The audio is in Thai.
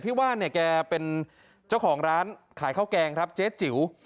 ว่านเนี่ยแกเป็นเจ้าของร้านขายข้าวแกงครับเจ๊จิ๋ว